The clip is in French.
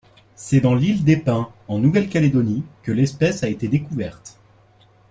C'est dans l'ile des pins en Nouvelle-Calédonie que l'espèce a été découverte.